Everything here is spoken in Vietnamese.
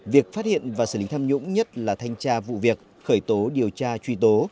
việc phát hiện và xử lý tham nhũng nhất là thanh tra vụ việc khởi tố điều tra truy tố